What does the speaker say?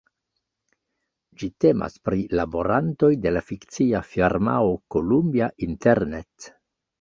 Ĝi temas pri laborantoj de la fikcia firmao Columbia Internet.